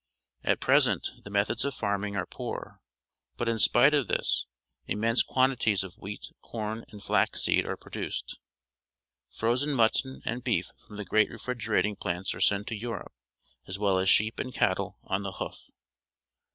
At present the methods of farming are poor, but in spite of this, immense quantities of wheat, corn, and flax seed are produced. Frozen niutton and beef from the great refrigerating plants are sent to. E urope, as well as sheep and cattle "on the hoof."